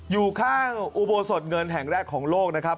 อยู่ข้างอุโบสถเงินแห่งแรกของโลกนะครับ